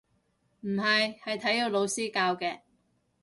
唔係，係體育老師教嘅